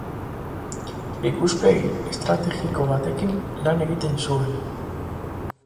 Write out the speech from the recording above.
Ikuspegi estrategiko batekin lan egiten zuen.